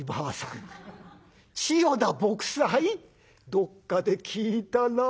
どっかで聞いた名前。